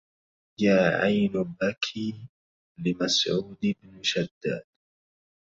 يا عين بكي لمسعود بن شداد